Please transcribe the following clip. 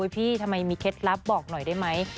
พี่ทำไมมีเคล็ดลับบอกหน่อยได้ไหม